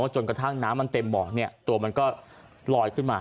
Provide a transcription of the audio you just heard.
จนกระทั่งน้ำมันเต็มบ่อตัวมันก็ลอยขึ้นมา